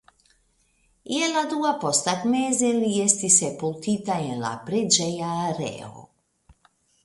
Je la dua posttagmeze li estis sepultita en la preĝeja areo.